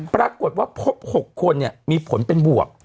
ปรากฏว่า๖คนเนี่ยมีผลเป็นบวก